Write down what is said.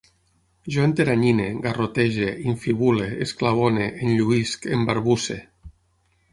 Jo enteranyine, garrotege, infibule, esclavone, enlluïsc, embarbusse